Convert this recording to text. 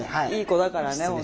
いい子だからね